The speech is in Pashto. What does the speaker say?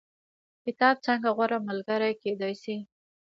کتاب څنګه غوره ملګری کیدی شي؟